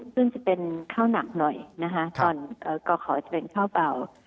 ซึ่งจะเป็นข้าวหนักหน่อยนะคะตอนก่อขอจะเป็นข้าวเป่า